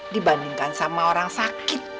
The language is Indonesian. dibandingkan sama orang sakit